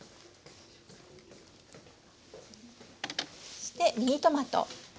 そしてミニトマト。